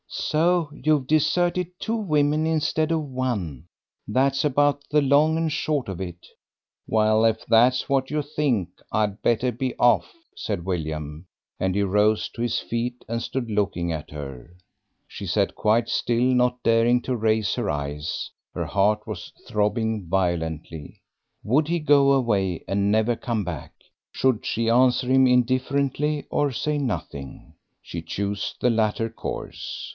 "So you've deserted two women instead of one, that's about the long and short of it." "Well, if that's what you think I'd better be off," said William, and he rose to his feet and stood looking at her. She sat quite still, not daring to raise her eyes; her heart was throbbing violently. Would he go away and never come back? Should she answer him indifferently or say nothing? She chose the latter course.